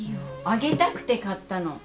あげたくて買ったの。